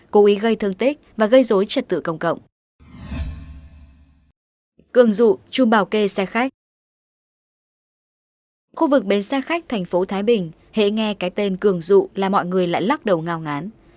khu vực bến xe khách thành phố thái bình hãy nghe cái tên cường dụ là mọi người lại lắc đầu ngào ngán